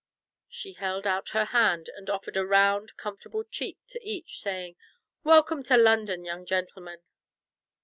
She held out her hand, and offered a round comfortable cheek to each, saying, "Welcome to London, young gentlemen."